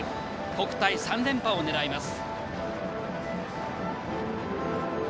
国体３連覇を狙います。